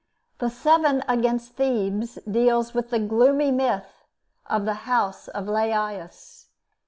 The 'Seven Against Thebes' deals with the gloomy myth of the house of Laïus.